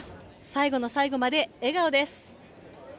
最後の最後まで笑顔です。